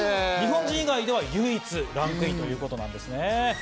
日本人以外では唯一ランクインということなんですね。